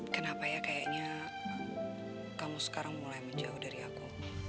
kenapa ya kayaknya kamu sekarang mulai menjauh dari aku